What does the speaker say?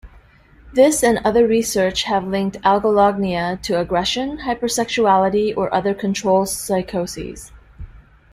This and other research have linked algolagnia to aggression, hypersexuality, or other control psychoses.